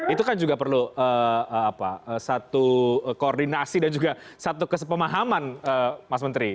itu kan juga perlu satu koordinasi dan juga satu kesepemahaman mas menteri